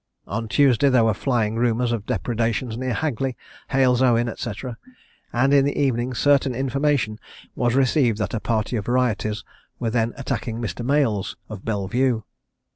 On Tuesday there were flying rumours of depredations near Hagley, Hales Owen, &c. and in the evening certain information was received that a party of rioters were then attacking Mr. Male's, of Belle Vue.